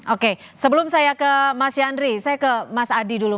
oke sebelum saya ke mas yandri saya ke mas adi dulu